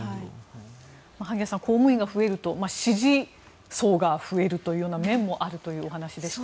萩谷さん公務員が増えると支持層が増えるというような面もあるというお話でした。